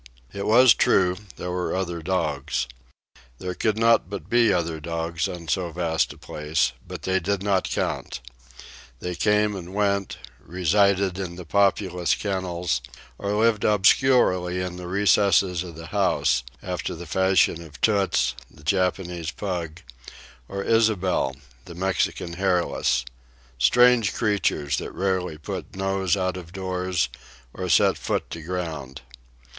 It was true, there were other dogs, There could not but be other dogs on so vast a place, but they did not count. They came and went, resided in the populous kennels, or lived obscurely in the recesses of the house after the fashion of Toots, the Japanese pug, or Ysabel, the Mexican hairless,—strange creatures that rarely put nose out of doors or set foot to ground.